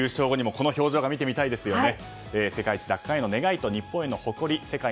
この表情が見てみたいですね。